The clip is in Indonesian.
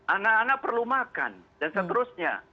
anak anak perlu makan dan seterusnya